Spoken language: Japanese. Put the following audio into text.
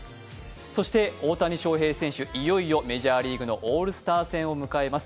そして、大谷翔平選手、いよいよメジャーリーグのオールスター戦を迎えます。